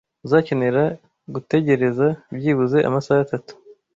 Uzakenera gutegereza byibuze amasaha atatu.